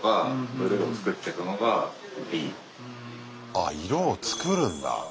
あっ色を作るんだ。